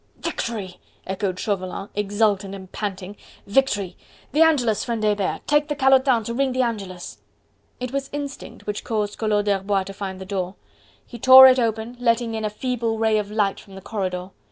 "Victory!" echoed Chauvelin, exultant and panting, "victory!! The Angelus, friend Hebert! Take the calotin to ring the Angelus!!!" It was instinct which caused Collot d'Herbois to find the door; he tore it open, letting in a feeble ray of light from the corridor.